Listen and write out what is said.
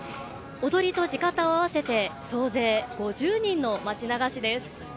踊りと地方を合わせて総勢５０人の町流しです。